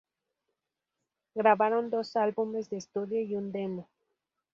Grabaron dos álbumes de estudio y un demo.